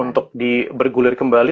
untuk di berguling kembali